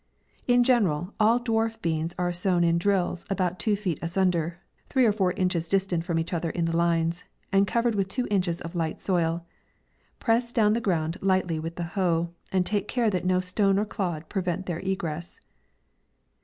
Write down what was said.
In general, all dwarf beans are sown in drills, about two feet asunder, three or four inches distant from each other in the lines, and covered with two inches of light soil ; press down the ground lightly with the hoe, and take care that no stone or clod prevent their egress.